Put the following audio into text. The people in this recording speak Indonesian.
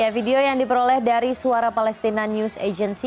video yang diperoleh dari suara palestina news agency